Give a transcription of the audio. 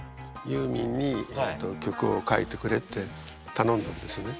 ユーミンに曲を書いてくれってたのんだんですね。